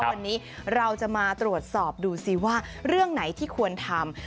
วันนี้เราจะมาตรวจสอบดูสิว่าเรื่องไหนที่ควรทำ